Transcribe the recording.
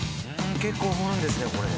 結構掘るんですねこれ。